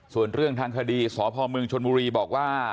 ส่วนเรื่องทางคดีสพเมืองชนบุรีบอกว่า